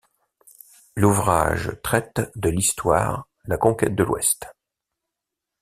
L'ouvrage traite de l'histoire la conquête de l'Ouest.